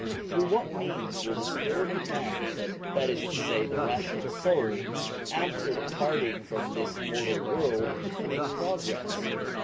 Through what means will the spirit of man, that is to say the rational soul, after departing from this mortal world, make progress